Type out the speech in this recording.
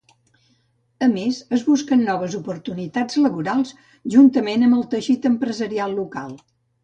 A més, es busquen noves oportunitats laborals, juntament amb el teixit empresarial local.